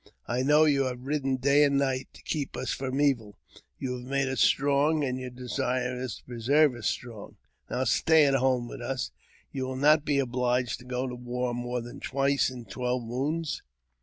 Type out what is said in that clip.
I know you have ridden day and night to keep us from evil. You have ma:le us strong, and your desire is to preserve us strong. Now stay at home with us ; you will not be obliged to go to war more than twice in twelve moons.